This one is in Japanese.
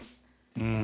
うん。